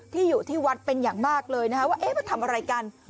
ที่อยู่ที่วัดเป็นอย่างมากเลยนะว่าเฮ้วัดทำอะไรกัน